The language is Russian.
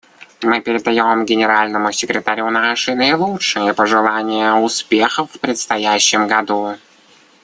Мы передаем Генеральному секретарю наши наилучшие пожелания успехов в предстоящем году.